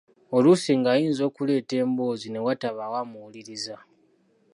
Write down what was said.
Oluusi ng'ayinza okuleeta emboozi ne watabaawo amuwuliriza.